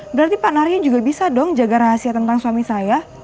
berarti pak naria juga bisa dong jaga rahasia tentang suami saya